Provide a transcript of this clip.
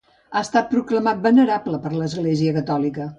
Ha estat proclamat venerable per l'Església catòlica.